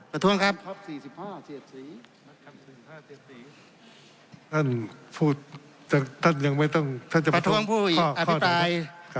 ประทวงผู้อยากอภิปราย